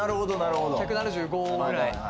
１７５くらい。